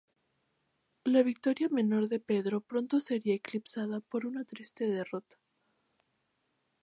La victoria menor de Pedro pronto sería eclipsada por una triste derrota.